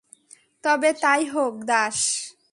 তবে তা-ই হোক, দাস!